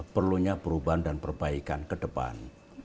perlunya perubahan dan perbaikan ke depan